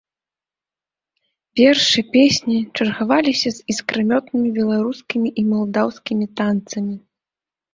Вершы, песні чаргаваліся з іскрамётнымі беларускімі і малдаўскімі танцамі.